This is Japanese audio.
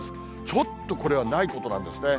ちょっとこれはないことなんですね。